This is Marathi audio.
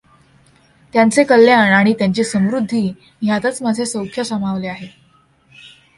त्यांचे कल्याण आणि त्यांची समृद्धी ह्यांतच माझे सौख्य सामावले आहे।